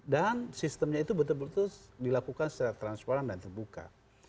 sistemnya itu betul betul dilakukan secara transparan dan terbuka